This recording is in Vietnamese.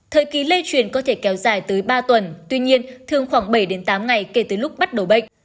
thời kỳ lây truyền có thể kéo dài tới ba tuần tuy nhiên thường khoảng bảy tám ngày kể từ lúc bắt đầu bệnh